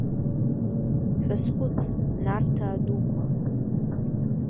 Шәазхәыц, Нарҭаа дуқәа.